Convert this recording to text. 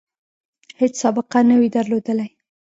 هیڅ سابقه نه وي درلودلې.